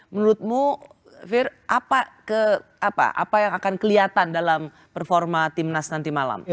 menurutmu fir apa yang akan kelihatan dalam performa timnas nanti malam